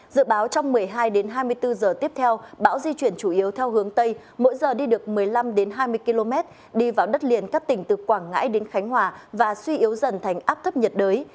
dự báo trong một mươi hai hai mươi bốn giờ tiếp theo bão di chuyển chủ yếu theo hướng tây mỗi giờ đi được một mươi năm hai mươi km đi vào đất liền các tỉnh từ quảng ngãi đến khánh hòa và suy yếu dần thành áp thấp nhiệt đới